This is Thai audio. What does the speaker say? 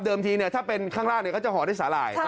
ทีถ้าเป็นข้างล่างเขาจะห่อด้วยสาหร่าย